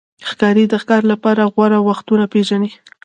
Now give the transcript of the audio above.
ښکاري د ښکار لپاره غوره وختونه پېژني.